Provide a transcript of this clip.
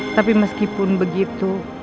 tapi meskipun begitu